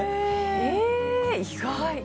えー、意外。